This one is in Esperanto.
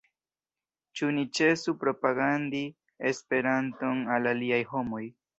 Ĉu ni ĉesu propagandi Esperanton al aliaj homoj?